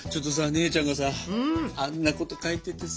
姉ちゃんがさあんなこと書いててさ。